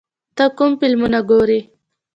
ته کوم فلمونه ګورې؟